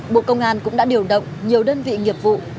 bộ công an cũng đã điều động nhiều đơn vị nghiệp vụ